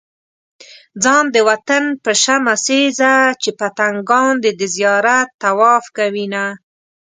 ځان د وطن په شمع سيزه چې پتنګان دې د زيارت طواف کوينه